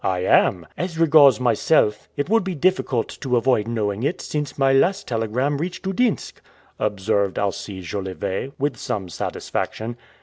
"I am!" "As regards myself, it would be difficult to avoid knowing it, since my last telegram reached Udinsk," observed Alcide Jolivet, with some satisfaction.